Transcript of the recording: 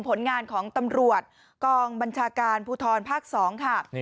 ผลงานของตำรวจกองบัญชาการภูทรภาค๒ค่ะ